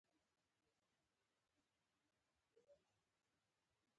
اسلام د هغه اعتبار په بیه ښکېلوي.